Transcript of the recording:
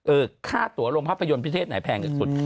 เออค่าตัวโรงพยาบาลประโยนประเทศไหนแพงสุด